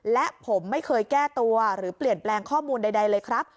และผมไม่เคยแก้ตัวหรือเปลี่ยนแปลงข้อมูลใดเลยครับ